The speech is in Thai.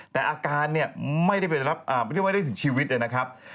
แต่อาการไม่ได้ถึงชีวิตเลยนะครับ